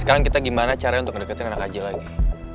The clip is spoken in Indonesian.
sekarang kita gimana caranya untuk deketin anak haji lagi